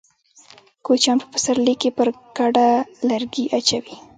کوچيان په پسرلي کې پر کډه لرګي اچوي.